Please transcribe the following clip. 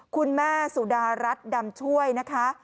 คุณแม่สุดารัฐดำช่วยนะคะ